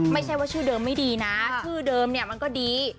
ไม่ใช่ว่าชื่อเดิมไม่ดีนะชื่อเดิมเนี่ยมันก็ดี